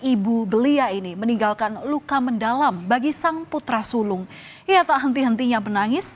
ibu belia ini meninggalkan luka mendalam bagi sang putra sulung ia tak henti hentinya menangis